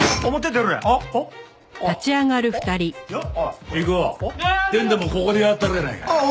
出んでもここでやったろやないかい。